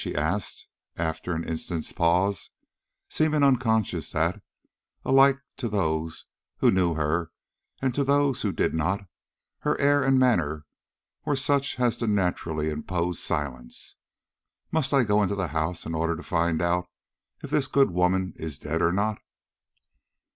she asked, after an instant's pause, seemingly unconscious that, alike to those who knew her and to those who did not, her air and manner were such as to naturally impose silence. "Must I go into the house in order to find out if this good woman is dead or not?"